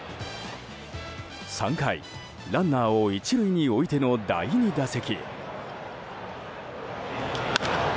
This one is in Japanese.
３回、ランナーを１塁に置いての第２打席。